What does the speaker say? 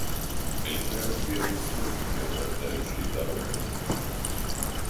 Мелькают белые столбики, ограждающие дорогу.